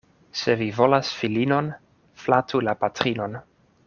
Se vi volas filinon, flatu la patrinon.